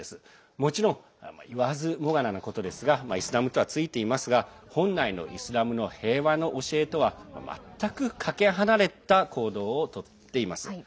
もちろん、言わずもがなですがイスラムとはついていますが本来のイスラムの教えとは全くかけ離れた行動をとっています。